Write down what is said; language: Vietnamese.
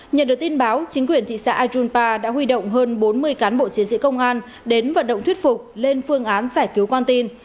nhận được tin báo chính quyền thị xã ajunpa đã huy động hơn bốn mươi cán bộ chiến sĩ công an đến vận động thuyết phục lên phương án giải cứu con tin